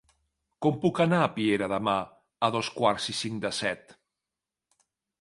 Com puc anar a Piera demà a dos quarts i cinc de set?